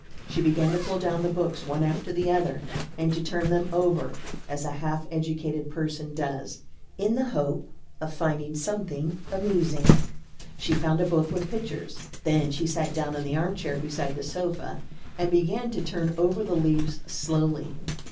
She began to pull down the books one after the other and to turn them over, as a half educated person does, in the hope of finding something amusing. She found a book with pictures. Then she sat down in the armchair beside the sofa and began to turn over the leaves slowly.